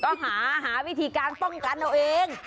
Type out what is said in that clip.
ก็หาวิธีการป้องกันเอาเอง